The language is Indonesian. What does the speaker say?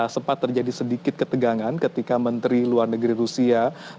sempat terjadi sedikit ketegangan ketika menteri luar negeri rusia